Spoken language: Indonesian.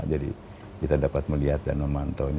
jadi kita dapat melihat dan memantau